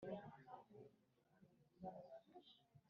abagore nta bubasha bafite mu by’umutungo,